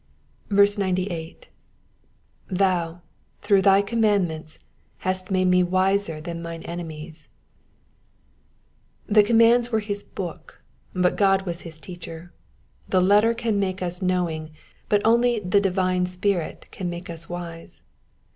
98. ^'''Thou through thy commandmenU hast made me wUer than mine enemies,'*^ The commands were his book, but God was his teacher. The letter can make us knowing, but only the divine Spirit can make us wise.